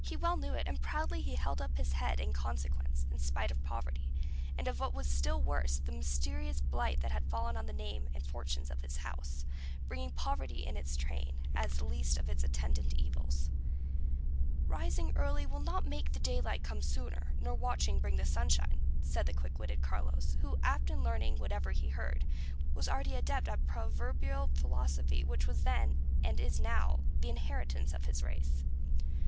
Well he knew it, and proudly he held up his young head in consequence, in spite of poverty, and of what was still worse, the mysterious blight that had fallen on the name and fortunes of his house, bringing poverty in its train, as the least of its attendant evils. "'Rising early will not make the daylight come sooner,' nor watching bring the sunshine," said the quick witted Carlos, who, apt in learning whatever he heard, was already an adept in the proverbial philosophy which was then, and is now, the inheritance of his race.